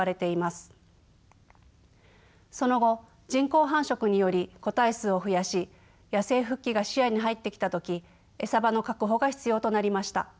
その後人工繁殖により個体数を増やし野生復帰が視野に入ってきた時餌場の確保が必要となりました。